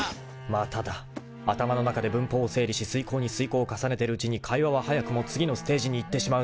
まただ頭の中で文法を整理し推敲に推敲を重ねてるうちに会話は早くも次のステージにいってしまうのだ